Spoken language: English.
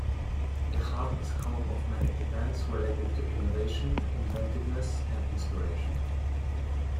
The hub is a home of many events related to innovation, inventiveness and inspiration.